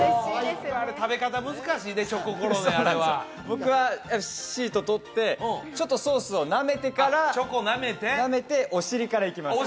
僕はシート取ってちょっとソースをなめてからチョコなめてなめてお尻からいきます